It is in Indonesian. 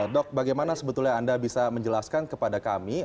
dok bagaimana sebetulnya anda bisa menjelaskan kepada kami